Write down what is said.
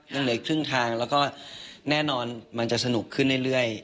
มันเหลือครึ่งทางแล้วก็แน่นอนมันจะสนุกขึ้นเรื่อย